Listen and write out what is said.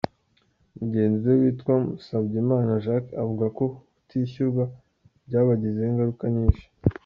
Mugenzi we witwa Musabyimana Jack avuga ko kutishyurwa byabagizeho ingaruka nyinshi.